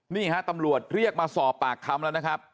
นี่ฮะตำรวจเรียกมาสอบปากคำแล้วนะครับ